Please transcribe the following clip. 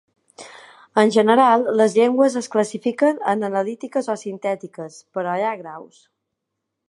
En general, les llengües es classifiquen en analítiques o sintètiques però hi ha graus.